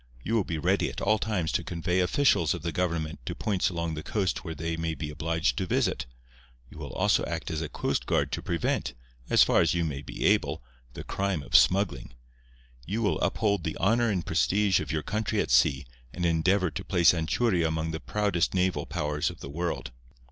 You will be ready at all times to convey officials of the government to points along the coast where they may be obliged to visit. You will also act as a coast guard to prevent, as far as you may be able, the crime of smuggling. You will uphold the honour and prestige of your country at sea, and endeavour to place Anchuria among the proudest naval powers of the world.